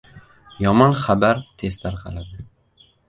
• Yomon xabar tez tarqaladi.